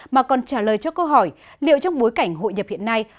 mà còn trả lời cho câu hỏi liệu trong bối cảnh hội nhập hiện nay